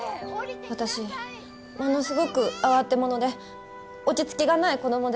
私ものすごく慌て者で落ち着きがない子どもで。